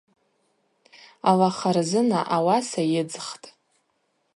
Ала харзына ауаса йыдзхтӏ.